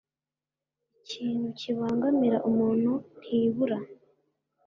Ikintu kibangamira umuntu ntibura